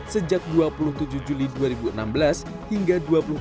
sejak dua puluh tujuh juli dua ribu enam belas hingga dua ribu enam belas